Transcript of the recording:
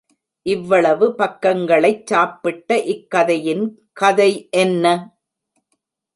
இவ்வளவு பக்கங்களைச் சாப்பிட்ட இக்கதையின் கதை என்ன?